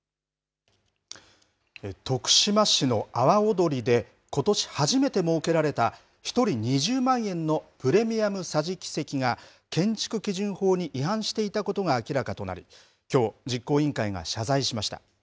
徳島市の阿波おどりで、ことし初めて設けられた１人２０万円のプレミアム桟敷席が、建築基準法に違反していたことが明らかとなり、きょう、実行委員会が謝罪しました。